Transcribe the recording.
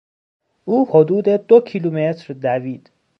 او حدود دو کیلومتر دوید.